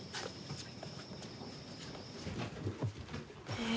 へえ。